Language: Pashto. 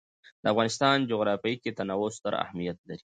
د افغانستان جغرافیه کې تنوع ستر اهمیت لري.